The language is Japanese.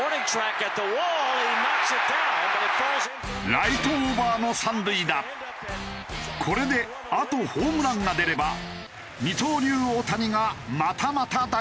ライトオーバーのこれであとホームランが出れば二刀流大谷がまたまた大記録。